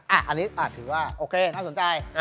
อันนี้ถือว่าโอเคน่าสนใจ